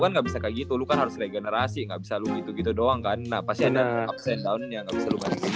grup kan gabisa kaya gitu lu kan harus regenerasi gabisa lu gitu gitu doang ga enak pasti ada ups and down nya gabisa lu banget